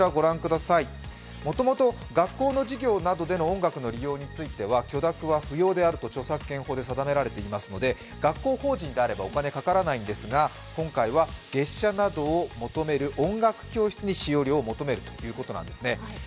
もともと学校の授業などでの音楽の利用については許諾は不要であると著作権法で定められているので学校法人であればお金はかからないんですが、今回は月謝などを求める音楽教室に使用料を求めるということなんですね。